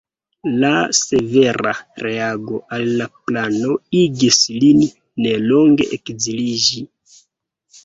La severa reago al la plano igis lin nelonge ekziliĝi.